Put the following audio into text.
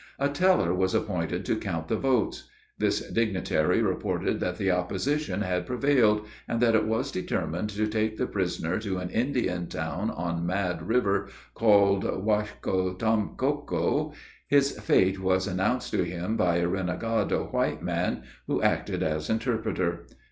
A teller was appointed to count the votes. This dignitary reported that the opposition had prevailed; and that it was determined to take the prisoner to an Indian town on Mad river, called Waughcotomoco. His fate was announced to him by a renegado white man, who acted as interpreter.